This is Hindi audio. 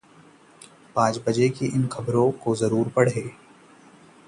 पांच बजे की इन खबरों को जरूर पढ़ें